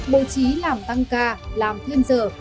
bố trí làm tăng ca làm thêm giờ